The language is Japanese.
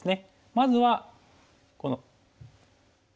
まずはこの。